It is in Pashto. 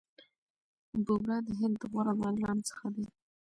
بومراه د هند د غوره بالرانو څخه دئ.